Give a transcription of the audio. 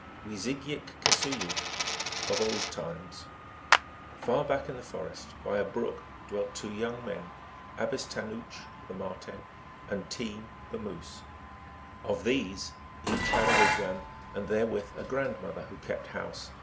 Wee zig yik keseyook. " Of old times." Far back in the forest, by a brook, dwelt two young men, Abis tanooch, the Marten, and Team, the Moose. Of these each had a wigwam, and therewith a grandmother who kept house.